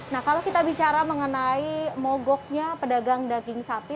nah kalau kita bicara mengenai mogoknya pedagang daging sapi